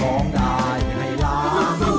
ร้องได้ให้ล้าน